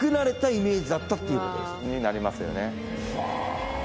なりますよね。